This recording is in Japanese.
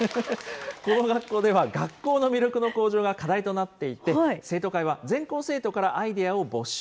この学校では、学校の魅力の向上が課題となっていて、生徒会は、全校生徒からアイデアを募集。